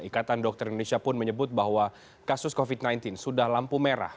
ikatan dokter indonesia pun menyebut bahwa kasus covid sembilan belas sudah lampu merah